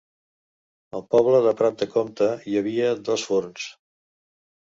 Al poble de Prat de Comte hi havia dos forns.